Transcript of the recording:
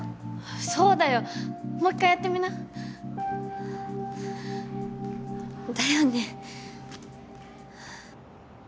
そうだよもう一回やってみなだよね